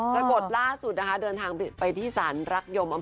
ถ้ากดล่าสุดเดินทางไปที่ศาลุกร์รักษ์ยมเขียน